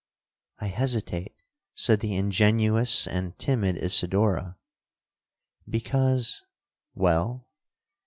'—'I hesitate,' said the ingenuous and timid Isidora, 'because'—'Well?'